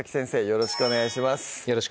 よろしくお願いします